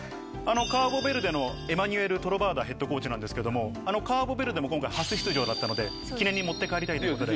カーボベルデのエマニュエル・トラバータＨＣですけれども、カーボベルデも今回初出場だったので、記念に持って帰りたいということで。